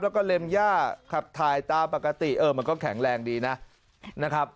แล้วก็เล็มหญ้าครับทายตาปกติมันก็แข็งแรงดีนะนะครับ